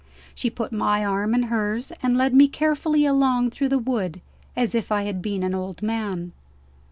She put my arm in hers, and led me carefully along through the wood, as if I had been an old man.